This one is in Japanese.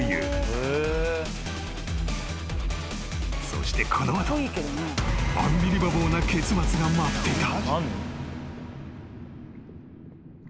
［そしてこの後アンビリバボーな結末が待っていた］